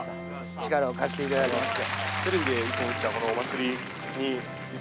力を貸していただきまして。